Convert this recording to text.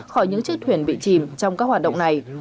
khỏi những chiếc thuyền bị chìm trong các hoạt động này